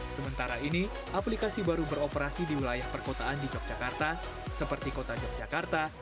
sementara ini aplikasi baru beroperasi di wilayah perkotaan di yogyakarta seperti kota yogyakarta